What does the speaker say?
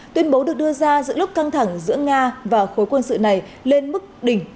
tuyên bố được đưa ra giữa lúc căng thẳng giữa nga và khối quân sự này lên mức đỉnh